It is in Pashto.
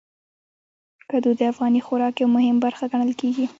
کدو د افغاني خوراک یو مهم برخه ګڼل کېږي.